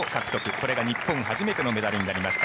これが日本初めてのメダルになりました。